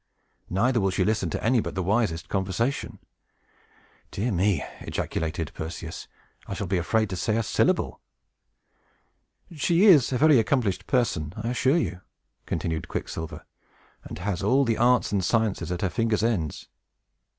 Neither will she listen to any but the wisest conversation." "Dear me!" ejaculated Perseus; "I shall be afraid to say a syllable." "She is a very accomplished person, I assure you," continued Quicksilver, "and has all the arts and sciences at her fingers' ends.